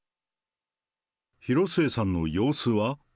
広末さんの様子は？